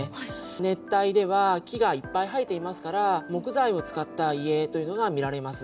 熱帯では木がいっぱい生えていますから木材を使った家というのが見られます。